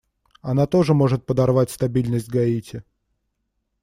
Она тоже может подорвать стабильность Гаити.